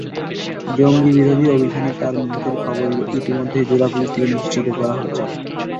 জঙ্গিবিরোধী অভিযানে তাঁর নিহতের খবর ইতিমধ্যেই জেলা পুলিশ থেকে নিশ্চিত করা হয়েছে।